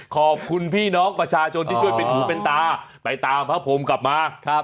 ขอบคุณพี่น้องประชาชนที่ช่วยเป็นหูเป็นตาไปตามพระพรมกลับมา